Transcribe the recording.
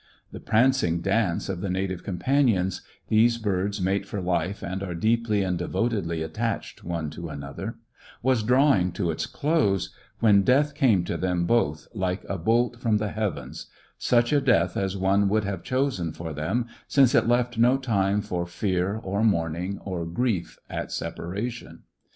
The prancing dance of the Native Companions these birds mate for life and are deeply and devotedly attached one to another was drawing to its close, when death came to them both like a bolt from the heavens; such a death as one would have chosen for them, since it left no time for fear or mourning, or grief at separation.